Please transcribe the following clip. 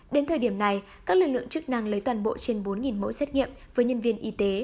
đến thời điểm này các lực lượng chức năng lấy toàn bộ trên bốn mẫu xét nghiệm với nhân viên y tế